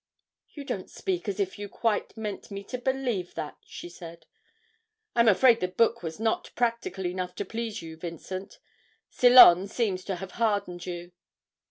'You don't speak as if you quite meant me to believe that,' she said. 'I'm afraid the book was not practical enough to please you, Vincent. Ceylon seems to have hardened you.'